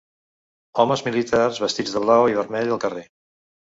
Homes militars vestits de blau i vermell al carrer.